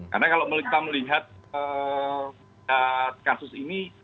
karena kalau kita melihat kasus ini